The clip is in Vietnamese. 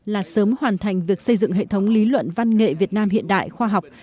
là sớm hoàn thành việc xây dựng hệ thống lý luận văn nghệ việt nam hiện đại khoa học